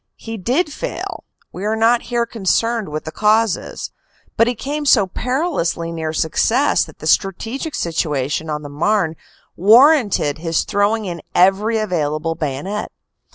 He did fail we are not here concerned with the causes but he came so perilously near success that the strategic situation on the Marne warranted his throwing in every available bayonet.